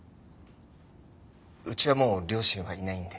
うちはもう両親はいないんで。